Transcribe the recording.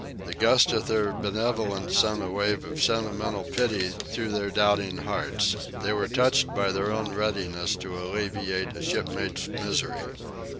The gust of their benevolence sent a wave of sentimental pity through their doubting hearts. They were touched by their own readiness to alleviate a shipmate's misery.